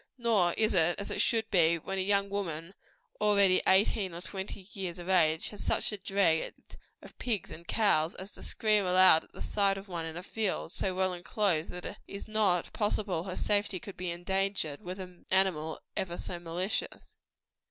Nor is it as it should be, when a young woman, already eighteen or twenty years of age, has such a dread of pigs and cows, as to scream aloud at the sight of one in a field, so well enclosed that it is not possible her safety could be endangered were the animal ever so malicious.